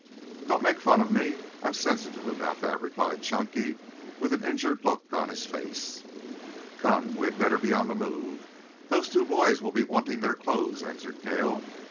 "Don't make fun of me. I am sensitive about that," replied Chunky with an injured look on his face. "Come, we had better be on the move. Those two boys will be wanting their clothes," answered Cale.